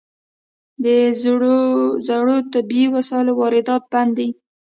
د زړو طبي وسایلو واردات بند دي؟